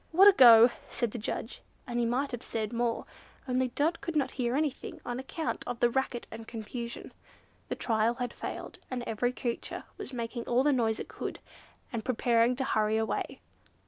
"What a go!" said the judge; and he might have said more, only Dot could not hear anything on account of the racket and confusion. The trial had failed, and every creature was making all the noise it could, and preparing to hurry away.